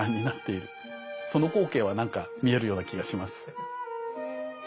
その光景は何か見えるような気がします。